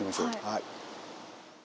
はい。